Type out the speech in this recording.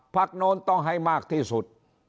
โน้นต้องให้มากที่สุด